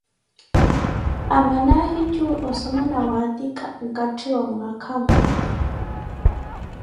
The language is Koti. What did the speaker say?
Amana ahijuwi osoma na waatikha nkatti wa mwaakha mmote